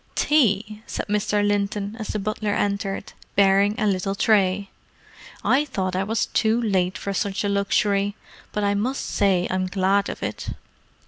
"Tea!" said Mr. Linton, as the butler entered, bearing a little tray. "I thought I was too late for such a luxury—but I must say I'm glad of it."